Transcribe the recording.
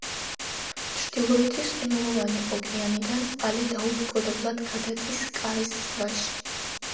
ჩრდილოეთის ყინულოვანი ოკეანიდან წყალი დაუბრკოლებლად გადადის კარის ზღვაში.